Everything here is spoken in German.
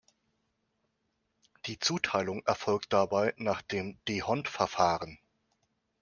Die Zuteilung erfolgt dabei nach dem D’Hondt-Verfahren.